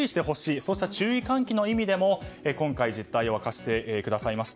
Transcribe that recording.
そういう注意喚起の意味でも今回、実態を明かしてくださいました。